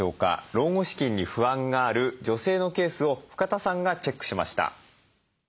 老後資金に不安がある女性のケースを深田さんがチェックしました。